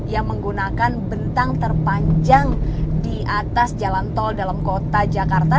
yang menggunakan bentang terpanjang di atas jalan tol dalam kota jakarta